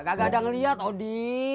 kagak ada yang lihat odi